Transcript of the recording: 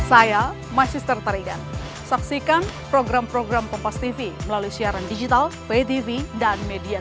selama observasi ada petugas jaga anggota dari kepolisian juga jaga di sana